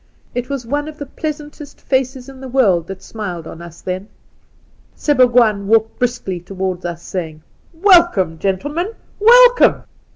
It was one of the pleasantest faces in the world that smiled on us then. Sebougwaan walked briskly towards us, saying :'" Welcome, gentlemen, welcome.